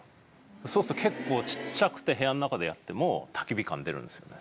そうすると結構ちっちゃくて部屋の中でやってもたき火感出るんですよね。